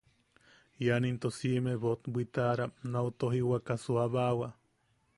Ian into siʼime boʼot bwitaʼaram nau tojiwaka suʼabaawa.